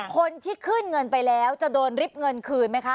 คนที่ขึ้นเงินไปแล้วจะโดนริบเงินคืนไหมคะ